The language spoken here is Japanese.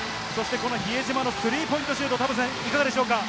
比江島のスリーポイントシュート、いかがでしょうか？